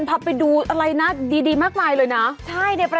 พาไปดูอะไรนะดีมากมายเลยนะ